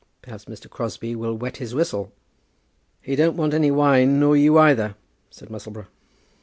Perhaps Mr. Crosbie will wet his whistle." "He don't want any wine, nor you either," said Musselboro.